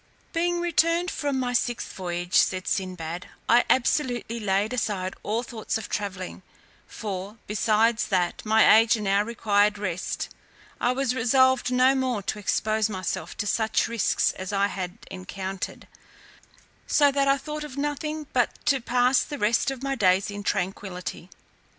Being returned from my sixth voyage, said Sinbad, I absolutely laid aside all thoughts of travelling; for, besides that my age now required rest, I was resolved no more to expose myself to such risks as I had encountered; so that I thought of nothing but to pass the rest of my days in tranquillity.